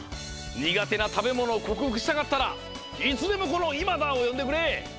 苦手な食べものを克服したかったらいつでもこのイマダーをよんでくれ！